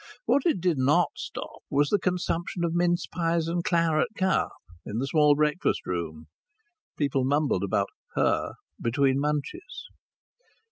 What it did not stop was the consumption of mince pies and claret cup in the small breakfast room; people mumbled about her between munches.